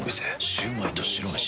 シュウマイと白めし。